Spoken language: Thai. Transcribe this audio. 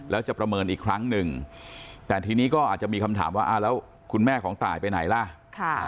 แล้วจะประเมินอีกครั้งหนึ่งแต่ทีนี้ก็อาจจะมีคำถามว่าแล้วคุณแม่ของตายไปไหนล่ะ